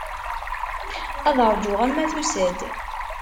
Ad ṛjuɣ arma tusa-d.